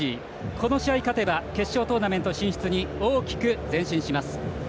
この試合勝てば決勝トーナメント進出に大きく前進します。